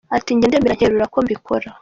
Ati “jye ndemera nkerura ko mbikora.